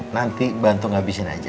nanti bantu ngabisin aja